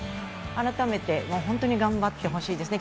改めて本当に頑張ってほしいですね。